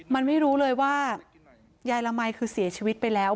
มันไม่รู้เลยว่ายายละมัยคือเสียชีวิตไปแล้ว